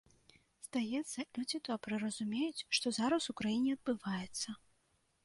Здаецца, людзі добра разумеюць, што зараз у краіне адбываецца.